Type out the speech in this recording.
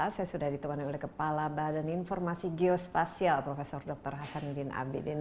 saya sudah ditemani oleh kepala badan informasi geospasial prof dr hasanuddin abidin